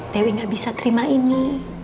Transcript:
dewi gak bisa terima ini